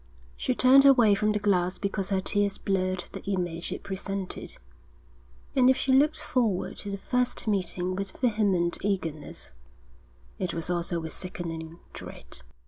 She turned away from the glass because her tears blurred the image it presented; and if she looked forward to the first meeting with vehement eagerness, it was also with sickening dread.